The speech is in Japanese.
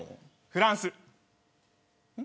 フランス。